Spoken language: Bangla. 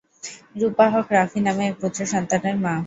রূপা হক রাফি নামে এক পুত্র সন্তানের মা।